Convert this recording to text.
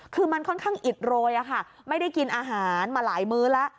คือมันค่อนข้างอิดโรยอะค่ะไม่ได้กินอาหารมาหลายมื้อแล้ว